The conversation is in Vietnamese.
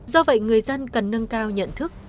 do vậy người dân cần nâng cao nhận thức